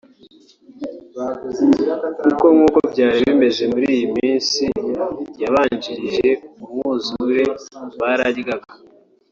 Kuko nkuko byari bimeze muri iyo minsi yabanjirije umwuzure; bararyaga